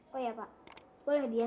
menjadi kemampuan anda